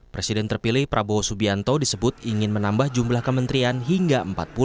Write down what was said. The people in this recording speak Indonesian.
presiden terpilih prabowo subianto disebut ingin menambah jumlah kementerian hingga empat puluh